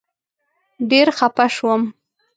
ډېر خپه شوم.